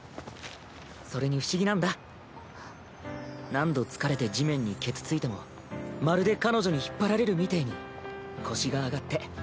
何度疲れて地面にケツついてもまるで彼女に引っ張られるみてぇに腰が上がって。